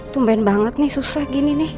tumben banget nih susah gini nih